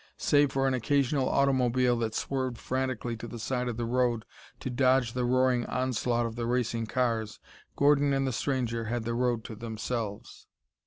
Save for an occasional automobile that swerved frantically to the side of the road to dodge the roaring onslaught of the racing cars, Gordon and the stranger had the road to themselves.